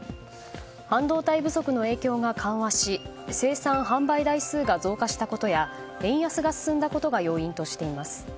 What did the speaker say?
半導体不足の影響が緩和し生産・販売台数が増加したことや円安が進んだことが要因としています。